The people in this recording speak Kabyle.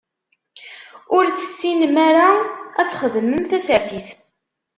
Ur tessinem ara ad txedmem tasertit.